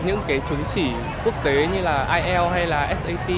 những cái chứng chỉ quốc tế như là ielts hay là sat